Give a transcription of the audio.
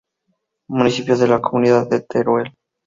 Municipio de la comunidad de Teruel.